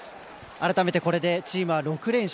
改めて、これでチームは６連勝。